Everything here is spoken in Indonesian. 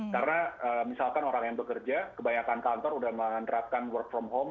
karena misalkan orang yang bekerja kebanyakan kantor udah menerapkan work from home